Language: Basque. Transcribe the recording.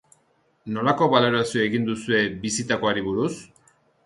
Nolako balorazioa egin duzue bizitakoari buruz?